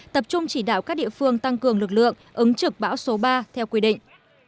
tập trung chỉ đạo các địa phương tăng cường lực lượng ứng trực bão số ba theo quy định